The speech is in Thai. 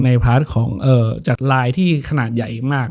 ในพาร์ทของจากลายที่ขนาดใหญ่มาก